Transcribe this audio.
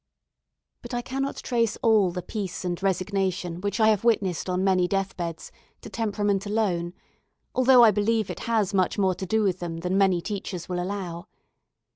But I cannot trace all the peace and resignation which I have witnessed on many death beds to temperament alone, although I believe it has much more to do with them than many teachers will allow.